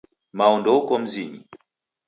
Mao ndeuko mzinyi.